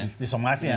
institusi mas ya